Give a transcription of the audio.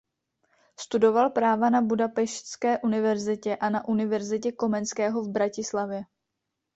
Studoval práva na Budapešťské univerzitě a na Univerzitě Komenského v Bratislavě.